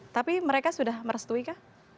tapi mereka sudah merestui kah